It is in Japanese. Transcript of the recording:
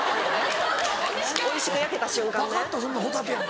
おいしく焼けた瞬間ね。